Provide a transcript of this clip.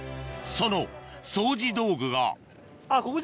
その掃除道具があっ